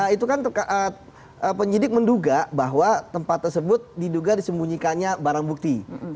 itu kan penyidik menduga bahwa tempat tersebut diduga disembunyikannya barang bukti